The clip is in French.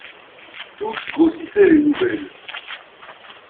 Tous grossissaient les nouvelles.